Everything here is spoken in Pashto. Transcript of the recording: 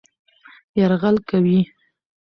يرغل کوي